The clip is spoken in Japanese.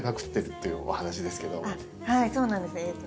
はいそうなんです。